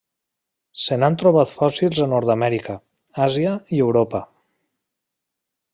Se n'han trobat fòssils a Nord-amèrica, Àsia i Europa.